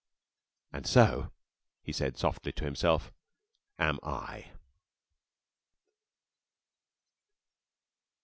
"And so," he said softly to himself, "am I."